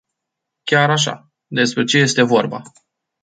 Chiar așa, despre ce este vorba?